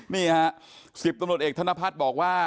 นี่ฮะ๑๐ตำรวจเอกธนพัฒน์